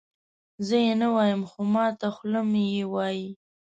زه یې نه وایم خو ماته خوله مې یې وایي.